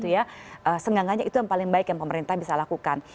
seenggangannya itu yang paling baik yang pemerintah bisa lakukan